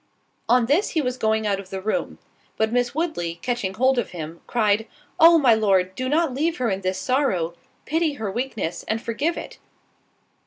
On this he was going out of the room—but Miss Woodley, catching hold of him, cried, "Oh! my Lord, do not leave her in this sorrow—pity her weakness, and forgive it."